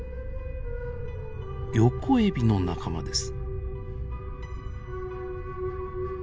ヨコエビの仲間です。